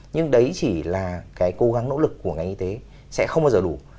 nhưng đấy chỉ là cái cố gắng nỗ lực của ngành y tế sẽ không bao giờ đủ